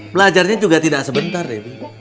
belajarnya juga tidak sebentar ya